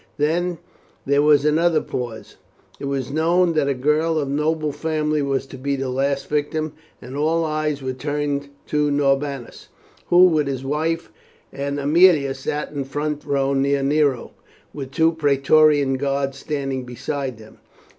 Then there was another pause. It was known that a girl of noble family was to be the last victim, and all eyes were turned to Norbanus, who, with his wife and Aemilia, sat in the front row near Nero, with two Praetorian guards standing beside them.